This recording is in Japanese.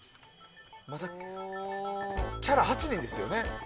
キャラ、８人ですよね。